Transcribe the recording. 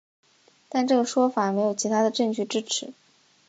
但这个说法没有其他的证据支持。